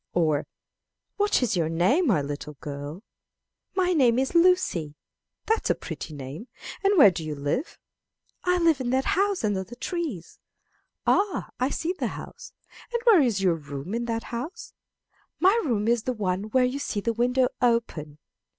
Or, "What is your name, my little girl? My name is Lucy. That's a pretty name! And where do you live? I live in that house under the trees. Ah! I see the house. And where is your room in that house? My room is the one where you see the window open.